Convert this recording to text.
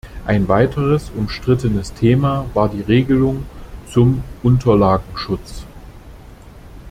Ein weiteres umstrittenes Thema war die Regelung zum Unterlagenschutz.